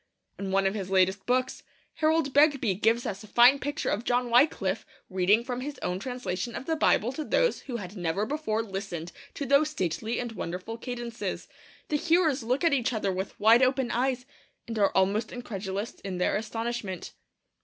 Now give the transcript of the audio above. In one of his latest books, Harold Begbie gives us a fine picture of John Wyclif reading from his own translation of the Bible to those who had never before listened to those stately and wonderful cadences. The hearers look at each other with wide open eyes, and are almost incredulous in their astonishment.